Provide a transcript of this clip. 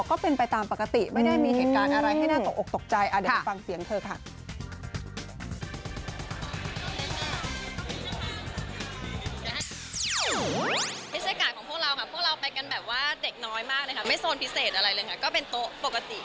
ไม่โซนพิเศษอะไรเลยค่ะก็เป็นโต๊ะปกติ